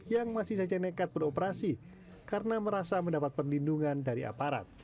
yang masih saja nekat beroperasi karena merasa mendapat perlindungan dari aparat